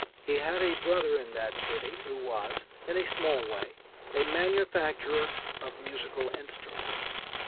He had a brother in that city who was, in a small way, a manufacturer of musical instruments.